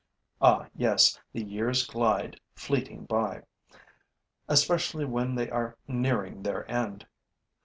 Ah, yes, the years glide fleeting by, especially when they are nearing their end!